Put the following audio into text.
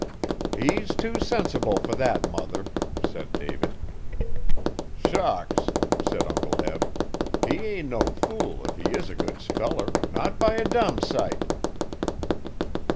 'He's too sensible for that, mother,' said David. 'Shucks!' said Uncle Eb, 'he ain' no fool if he is a good speller not by a dum sight!'